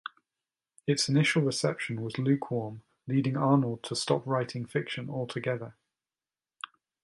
Its initial reception was lukewarm, leading Arnold to stop writing fiction altogether.